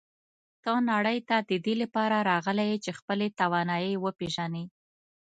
ته نړۍ ته د دې لپاره راغلی یې چې خپلې توانایی وپېژنې.